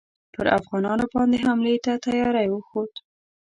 پر افغانانو باندي حملې ته تیاری وښود.